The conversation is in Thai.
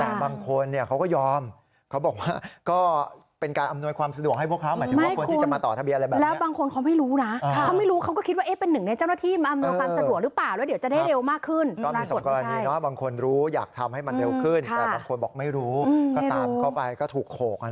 แต่บางคนเนี่ยเขาก็ยอมเขาบอกว่าก็เป็นการอำนวยความสะดวกให้พวกเขาหมายถึงว่าคนที่จะมาต่อทะเบียนอะไรแบบนี้แล้วบางคนเขาไม่รู้นะเขาไม่รู้เขาก็คิดว่าเอ๊ะเป็นหนึ่งในเจ้าหน้าที่มาอำนวยความสะดวกหรือเปล่าแล้วเดี๋ยวจะได้เร็วมากขึ้นก็มีสองกรณีเนาะบางคนรู้อยากทำให้มันเร็วขึ้นแต่บางคนบอกไม่รู้ก็ตามเขาไปก็ถูกโขก